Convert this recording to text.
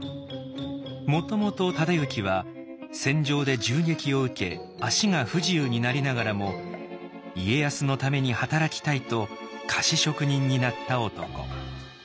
もともと忠行は戦場で銃撃を受け脚が不自由になりながらも家康のために働きたいと菓子職人になった男。